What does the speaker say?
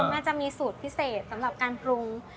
มันจะมีสูตรพิเศษสำหรับการปรุง